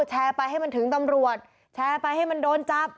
แชร์ไปให้มันถึงตำรวจแชร์ไปให้มันโดนจับ